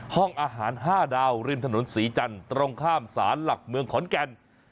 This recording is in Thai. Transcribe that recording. ห้องอาหาร๕ดาวริมถนนศรีจันทร์ตรงข้ามศาลหลักเมืองขอนแก่น